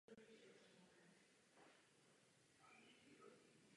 Dovolte, abych rozdělil svůj komentář do třech bodů.